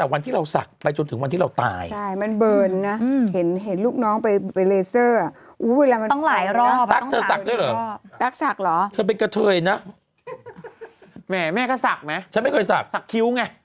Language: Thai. มันใช้ชีวิตง่ายขึ้นอ่ะเอี๊ยนเรารู้สึกถ้าอย่างงั้นโอ้โฮถ้าหน้ามันโล้นจริง